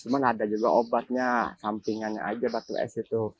cuman ada juga obatnya sampingannya aja batuk es itu